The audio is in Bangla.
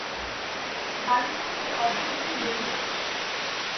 বাড়ি থেকে অল্প একটু বেরিয়েছি।